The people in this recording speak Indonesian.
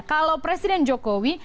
kalau presiden jokowi